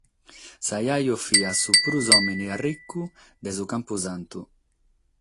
Su giaju fiat su prus òmine ricu de su campusantu.